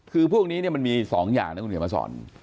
คือพวกนี้มันมี๒อย่างนะคุณเขียนมาสอน